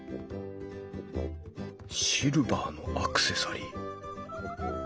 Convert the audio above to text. シルバーのアクセサリー。